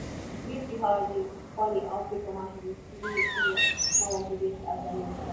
Misri hadi pwani ya Afrika Mashariki iliyoitwa na Wagiriki Azania Lakini